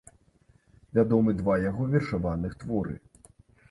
Вядомы два яго вершаваных творы.